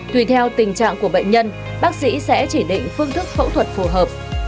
tùy theo tình trạng của bệnh nhân bác sĩ sẽ chỉ định phương thức phẫu thuật phù hợp